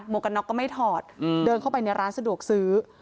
กกันน็อกก็ไม่ถอดเดินเข้าไปในร้านสะดวกซื้อ